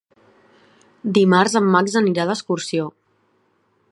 Dimarts en Max anirà d'excursió.